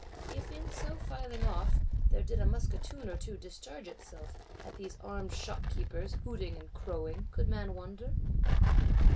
If in so filing off, there did a musketoon or two discharge itself, at these armed shopkeepers, hooting and crowing, could man wonder?